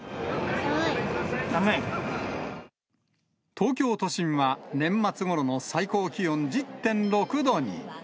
東京都心は年末ごろの最高気温１０．６度に。